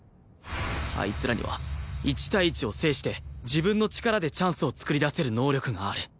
あいつらには１対１を制して自分の力でチャンスを創り出せる能力がある